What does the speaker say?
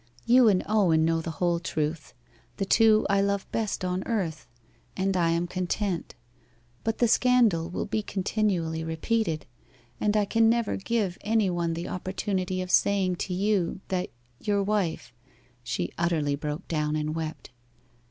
You and Owen know the whole truth the two I love best on earth and I am content. But the scandal will be continually repeated, and I can never give any one the opportunity of saying to you that your wife....' She utterly broke down and wept.